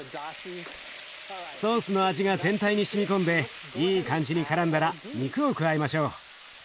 ソースの味が全体にしみ込んでいい感じにからんだら肉を加えましょう。